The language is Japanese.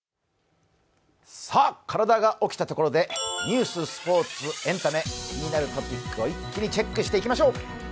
体が起きたところでニュース、スポーツ、エンタメ、気になるトピックを一気にチェックしていきましょう。